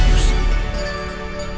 indonesia breaking news